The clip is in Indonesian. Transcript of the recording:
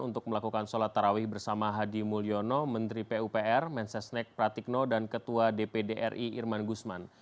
untuk melakukan sholat tarawih bersama hadi mulyono menteri pupr mensesnek pratikno dan ketua dpd ri irman gusman